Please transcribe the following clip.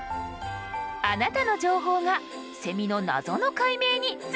あなたの情報がセミの謎の解明につながるかも！